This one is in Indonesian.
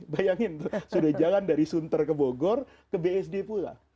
bayangin sudah jalan dari sunter ke bogor ke bsd pula